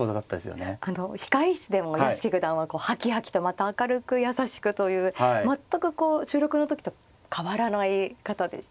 あの控え室でも屋敷九段ははきはきとまた明るく優しくという全くこう収録の時と変わらない方でしたね。